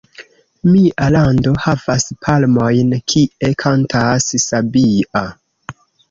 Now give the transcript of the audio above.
Mia lando havas palmojn, Kie kantas sabia!